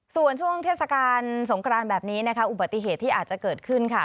ส่วนช่วงเทศกาลสงครานแบบนี้นะคะอุบัติเหตุที่อาจจะเกิดขึ้นค่ะ